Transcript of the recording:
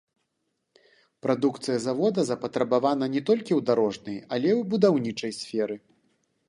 Прадукцыя завода запатрабавана не толькі ў дарожнай, але і ў будаўнічай сферы.